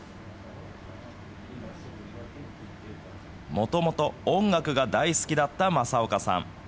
もともと音楽が大好きだった政岡さん。